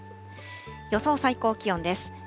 予想最高気温です。